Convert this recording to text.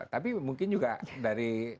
tapi mungkin juga dari